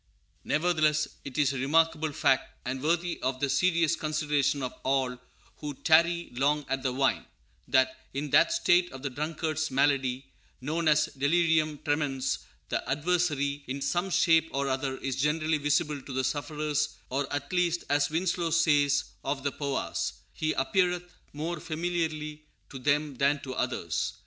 Nevertheless it is a remarkable fact, and worthy of the serious consideration of all who "tarry long at the wine," that, in that state of the drunkard's malady known as delirium tremens, the adversary, in some shape or other, is generally visible to the sufferers, or at least, as Winslow says of the Powahs, "he appeareth more familiarly to them than to others."